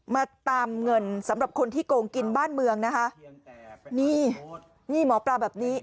มาตามเงินสำหรับคนที่โกงกินบ้านเมืองนะคะนี่นี่หมอปลาแบบนี้